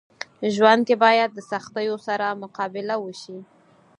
ژوند کي باید د سختيو سره مقابله وسي.